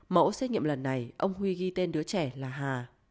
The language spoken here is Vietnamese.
mẫu xét nghiệm lần này ông huy ghi tên đứa trẻ là hà